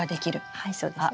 はいそうですね。